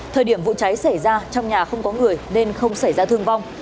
thời điểm vụ cháy xảy ra trong nhà không có người nên không xảy ra thương vong